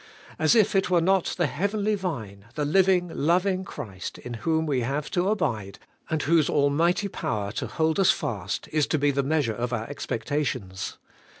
As if it were not the Heavenly Vine, the living, loving Christ, in whom we have to abide, and whose almighty power to hold us fast is to be the measure of our expectations!